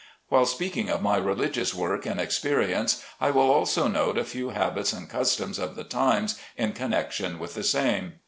While speaking of my religious work and expe rience, I will also note a few habits and customs of the times, in connection with the same.